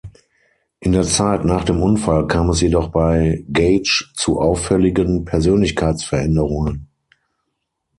In der Zeit nach dem Unfall kam es jedoch bei Gage zu auffälligen Persönlichkeitsveränderungen.